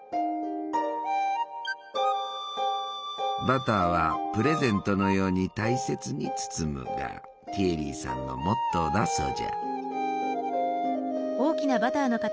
バターは「プレゼントのように大切に包む」がティエリーさんのモットーだそうじゃ。